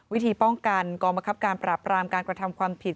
วิธีป้องกันกองบังคับการปราบรามการกระทำความผิด